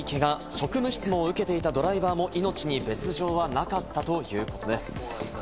職務質問を受けていたドライバーも命に別条はなかったということです。